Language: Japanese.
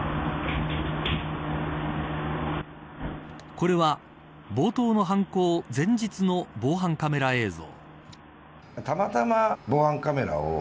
これは冒頭の犯行前日の防犯カメラ映像。